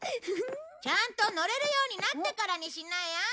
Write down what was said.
ちゃんと乗れるようになってからにしなよ！